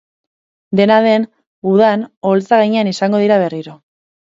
Dena den, udan oholtza gainean izango dira berriro.